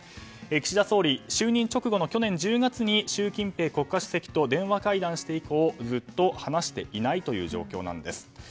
岸田総理、就任直後の去年１０月に習近平国家主席と電話会談して以降ずっと話していない状況なんです。